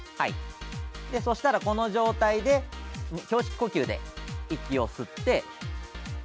そしたらこの状態で胸式呼吸で息を吸って。